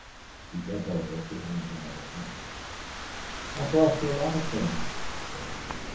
He bent over to untie the pack. "I've brought you a lot of things," he said.